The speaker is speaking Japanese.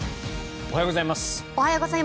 おはようございます。